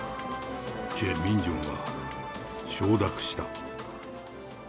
チェ・ミンジョンは承諾した。